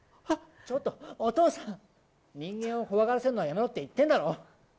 ちょっとお父さん、人間を怖がらせるのはやめろって言ってるだろ。